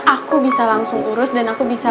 aku bisa langsung urus dan aku bisa